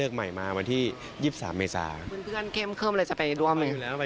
คันไปได้เปล่าค่ะลำ